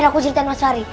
biar aku ceritain mas wary